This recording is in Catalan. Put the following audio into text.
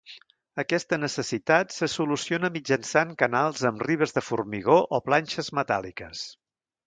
Aquesta necessitat se soluciona mitjançant canals amb ribes de formigó o planxes metàl·liques.